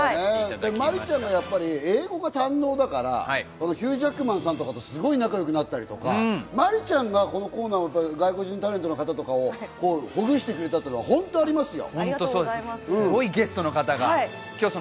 麻里ちゃんがやっぱり英語が堪能だから、ヒュ−・ジャックマンさんとかと、すごい仲良くなったりとか、麻里ちゃんがこのコーナーを外国人タレントの方とかをほぐしてくれたっていうのがありますよ。